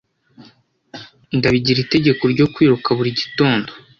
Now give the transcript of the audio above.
Ndabigira itegeko ryo kwiruka buri gitondo.